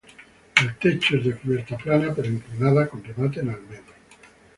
El techo es de cubierta plana pero inclinada, con remate en almenas.